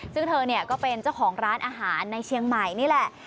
ซึ่งเธอเนี่ยก็เป็นเจ้าของร้านอาหารในเชียงใหม่นี่แหละ